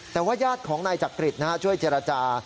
แต่ว่าญาติของนายจักริตช่วยเจรจา